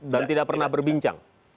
dan tidak pernah berbincang